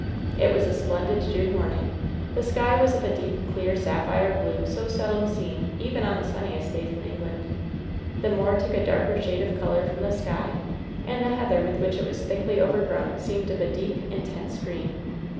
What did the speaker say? It was a splendid June morning. The sky was of a deep, clear sapphire blue so seldom seen even on the sunniest days in England. The moor took a darker shade of color from the sky, and the heather with which it was thickly overgrown seemed of a deep, intense green.